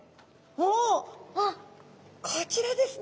おこちらですね。